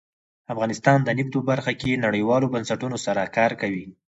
افغانستان د نفت په برخه کې نړیوالو بنسټونو سره کار کوي.